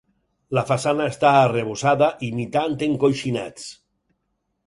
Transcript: La façana està arrebossada imitant encoixinats.